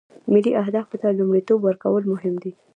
ملي اهدافو ته لومړیتوب ورکول مهم دي